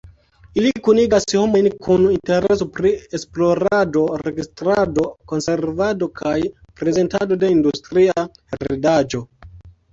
Ili kunigas homojn kun intereso pri esplorado, registrado, konservado kaj prezentado de industria heredaĵo.